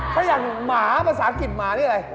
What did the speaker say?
ถ้าอย่างหมาภาษาอังกฤษหมานี่อะไร